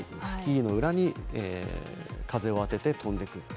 スキーの裏に風を当てて飛んでいく。